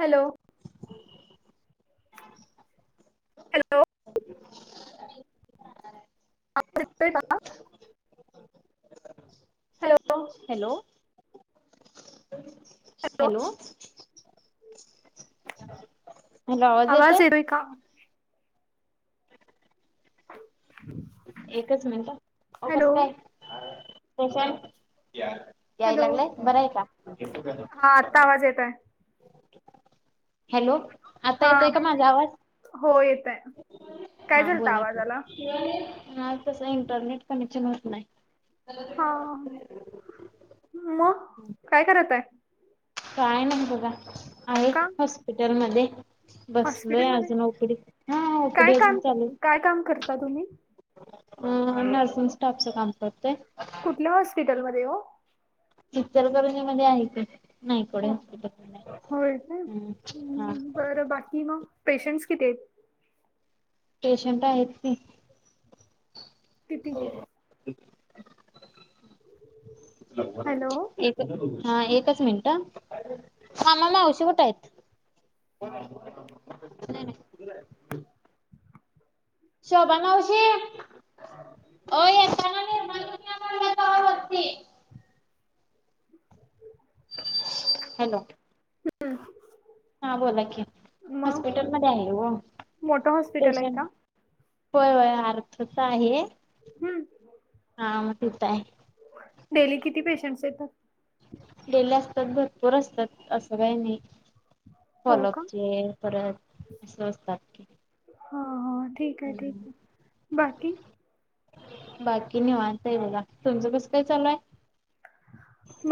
Hello hello [unintelligible] [unintelligible] hello hello hello आवाज येतोय का [inaudible] एकच मिनट हो हॅलो कसं काय [unintelligible] याय हॅलो लागलंय बरं आहे का [unintelligible] कावाज येतोय हॅलो आता हा येतोय का माझा आवाज हो येत आहे काय हा झालत बोला आवाजाला की हा तस इंटरनेट कनेक्शन होत नाही हा मग काय करत आहे काय ना बघा आहे का हॉस्पिटल मध्ये बसलोय हॉस्पिटलमध्ये अजून ओपडीत हा ओपीडी अजून चालूय काय काम कर ता तुम्ही ह नर्सिंग स्टाफच काम करते कुठल्या हॉस्पिटलमध्ये हो इचलकरंजी मध्ये आहे ते नाईकवडे हो हॉस्पिटल म्हणून होय काय हाय हम्म हा बाकी मग पेशंट्स किती आहेत पेशंट आहेत की किती हॅलो [unintelligible] हा एकच मिनिट मामा मावशी कुटायत शोभा मावशी ओ येताना निरमा घेऊन या [unintelligible] वरती हॅलो. [unintelligible] हा बोला की, मग हॉस्पिटल मध्ये आहे हो मोठं हॉस्पिटल आहे का पेशंट होय होय अर्थच आहे. हम्म हा मग तिथ आहे. डेली किती पेशंट्स येतात? डेली असतात भरपूर असतात. असं काही नाही. हो का फॉलोअपचे परत अस असतात की. हं हं ठीक आहे ठीक आहे बाकी बाकी निवांत आहे बघा. तुमचं कस काय चालू आहे?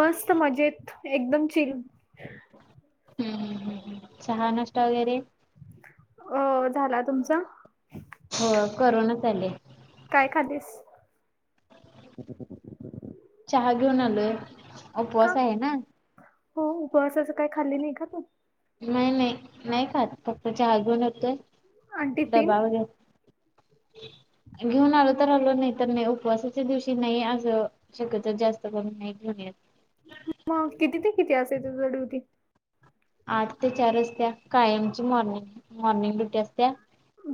मस्त मजेत एकदम चिल. हम्म हम् हम्म हम चहा नाष्टा वगैरे अ झाला तुमचा हो करूनच आले. काय खातीस? चहा घेऊन आलोय. का उपवास आहे ना. हो उपवासाच काही खाल्ली नाही का तू? नाही नाही. नाही खात फक्त चहा घेऊन येतोय. आणि टिफिन डबा वगैरे घेऊन आलो तर आलो नाही तर नाही उपवासाच्या दिवशी नाही असं शक्यतो जास्त करून नाही घेऊन येत. मग किती ते किती असतय तुझं ड्युटी? आठ ते चार असत्या कायमची मॉर्निंग मॉर्निंग ड्युटी असत्या.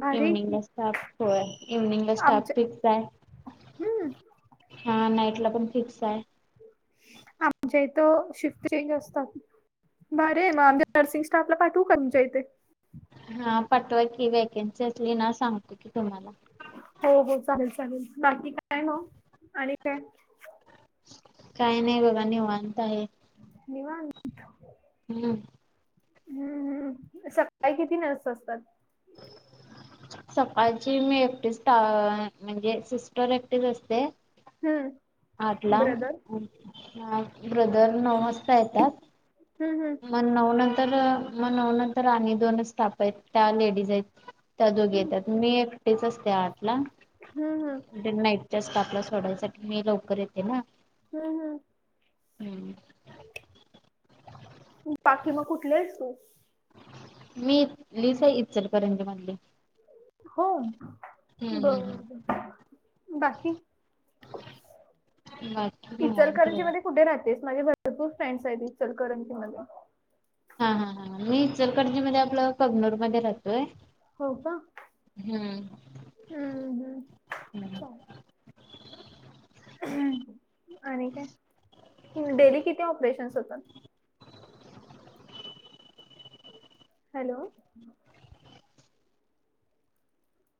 भारी आहे की इव्हनिंगला स्टाफ होय, इव्हनिंगला स्टाफ आमच्या फिक्स आहे. हम्म हा नाईट ला पण फिक्स आहे. आमच्या इथं शिफ्ट चेंज असतात. भारी आहे मग, आमच्या नर्सिंग स्टाफला पाठवू का तुमच्या इथे? हा पाठवाकी व्हेकन्सी असली ना सांगतो की तुम्हाला. हो हो चालेल चालेल बाकी काय हो आणि काय. काही नाही बघा निवांत आहे. निवांत. [inaudible] हम्म! हम्म हम्म सकाळी किती नर्स असतात? [inaudible] सकाळची मी एकटीच टा म्हणजे सिस्टर एकटीच असते. हम्म! आठला ब्रदर मग ब्रदर नऊ वाजता येतात. हम् हम! मग नऊ नंतर मग नऊ नंतर आणि दोनच स्टाप आहेत. त्या लेडीज आहेत. त्या दोघी येतात, मी एकटेच असते आठला. हम, हम! म्हणजे नाईटच्या स्टापला सोडायसाठी मी लवकर येते ना! हम, हम! हम्म! बाकी मग कुठलीयेस तू? मी इथलीच आहे इचलकरंजी मधली. हो! हम्म हम् बर, बाकी बाकी निवांत. इचलकरंजी बघा. मध्ये कुठे राहतेस? माझे भरपूर फ्रेंड्स आहेत इचलकरंजी मध्ये. हा हा हां! मी इचलकरंजी मध्ये आपलं कबनूर मध्ये राहतोय. हो का, हम्म. हम्म हम्म! हम्म. आणि काय डेली किती ऑपरेशन्स होतात? हॅलो!